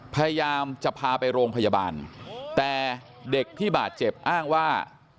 พยายามจะพาไปโรงพยาบาลแต่เด็กที่บาดเจ็บอ้างว่า